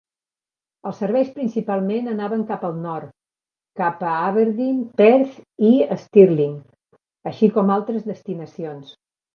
Els serveis principalment anaven cap al nord, cap a Aberdeen, Perth i Stirling, així com altres destinacions.